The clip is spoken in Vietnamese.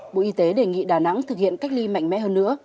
bộ y tế đề nghị đà nẵng thực hiện cách ly mạnh mẽ hơn nữa